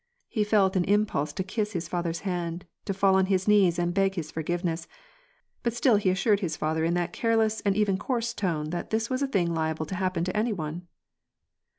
He felt an impulse to kiss his father's hands, to fall on his knees and beg his forgiveness, but still he assured his father in that careless and even coarse tone, that this was a thing liable to happen to any one